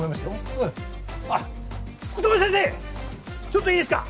ちょっといいですか？